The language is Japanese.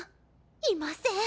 いません